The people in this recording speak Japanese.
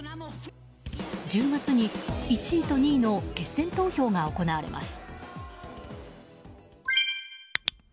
１０月に１位と２位の決選投票が行われます。